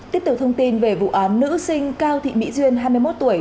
tiếp tục thông tin về vụ án nữ sinh cao thị mỹ duyên hai mươi một tuổi